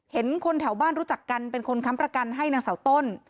เห็นคนแถวบ้านรู้จักกันเป็นคนค้ำประกันให้นางสาวต้น